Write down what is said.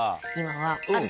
今は。